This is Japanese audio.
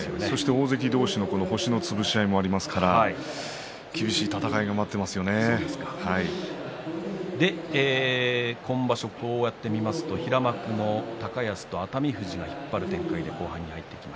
大関同士の星の潰し合いがありますから今場所こうやって見ますと平幕の高安と熱海富士が引っ張っていくという後半です。